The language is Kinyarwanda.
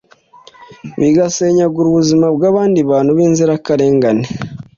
bigasenyagura ubuzima bw’abandi bantu b’inzirakarengane